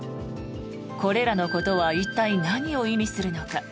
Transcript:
これらのことは一体、何を意味するのか。